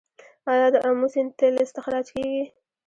آیا د امو سیند تیل استخراج کیږي؟